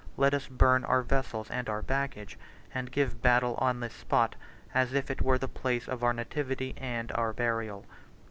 Let us burn our vessels and our baggage, and give battle on this spot, as if it were the place of our nativity and our burial."